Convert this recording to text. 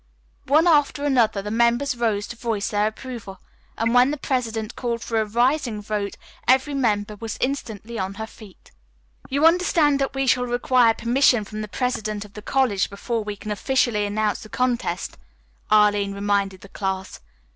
One after another the members rose to voice their approval, and when the president called for a rising vote every member was instantly on her feet. "You understand that we shall require permission from the president of the college before we can officially announce the contest," Arline reminded the class.